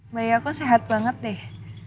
bayi aku sehat banget deh